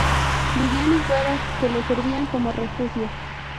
Vivían en cuevas, que les servían como refugio.